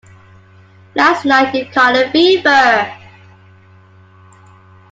Last night you caught a fever.